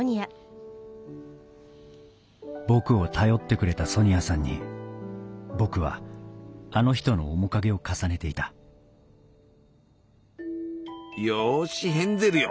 僕を頼ってくれたソニアさんに僕はあの人の面影を重ねていたよしヘンゼルよ。